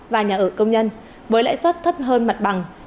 và nhà ở công nhân với lãi suất thấp hơn mặt bằng một năm hai